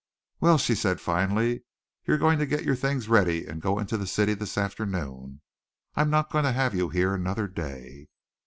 "Well," she said, finally, "you're going to get your things ready and go into the city this afternoon. I'm not going to have you here another day."